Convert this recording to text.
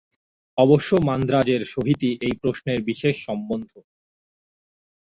অবশ্য মান্দ্রাজের সহিতই এই প্রশ্নের বিশেষ সম্বন্ধ।